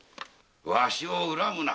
わしを恨むな。